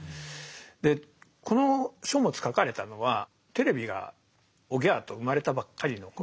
でこの書物書かれたのはテレビがおぎゃあと生まれたばっかりの頃なんですね。